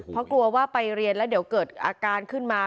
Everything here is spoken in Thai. เพราะกลัวว่าไปเรียนแล้วเดี๋ยวเกิดอาการขึ้นมา